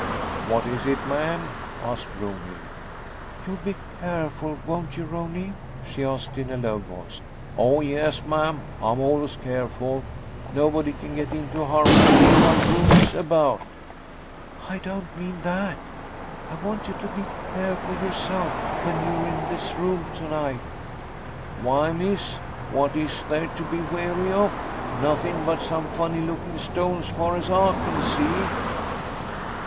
"What is it, ma'am?" asked Rooney. "You'll be careful, won't you, Rooney?" she asked in a low voice. "Oh, yes, ma'am. I'm always careful. Nobody can get in to harm anything while Rooney's about." "I don't mean that. I want you to be careful yourself, when you're in this room to night." "Why, miss, what is there to be wary of? Nothin' but some funny lookin' stones, far as I can see."